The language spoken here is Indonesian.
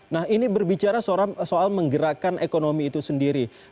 nah ini berbicara soal menggerakkan ekonomi itu sendiri